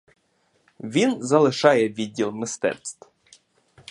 Він залишає відділ мистецтв.